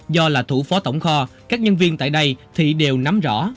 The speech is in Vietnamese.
do là thủ phó tổng kho các nhân viên tại đây thị đều nắm rõ